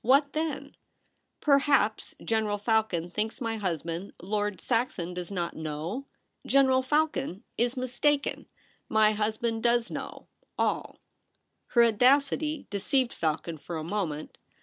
What then ? Perhaps General Falcon thinks my husband, Lord THE BOTH WELL PART. 283 Saxon, does not know ? General Falcon Is mistaken. My husband does know — all.' Her audacity deceived Falcon for a moment.